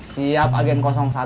siap agen satu